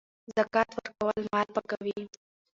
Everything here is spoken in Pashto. زکات ورکول مال پاکوي.